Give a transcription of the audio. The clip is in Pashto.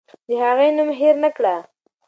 د هغې نوم هېر نکړه.